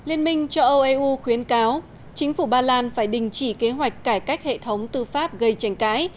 eu khuyến cáo chính phủ ba lan phải đình chỉ kế hoạch cải cách hệ thống tư pháp gây tranh cãi